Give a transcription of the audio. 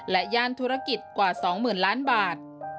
และย่านธุรกิจกว่า๒๐๐๐ล้านบาท